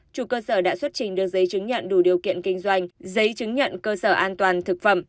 chủ cơ sở đã xuất trình được giấy chứng nhận đủ điều kiện kinh doanh giấy chứng nhận cơ sở an toàn thực phẩm